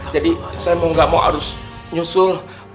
jadi saya mau gak mau harus nyusul